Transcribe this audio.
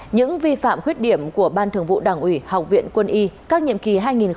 những vi phạm khuyết điểm của ban thường vụ đảng ủy học viện quân y các nhiệm kỳ hai nghìn một mươi năm